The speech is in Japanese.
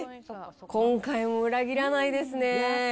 今回も裏切らないですね。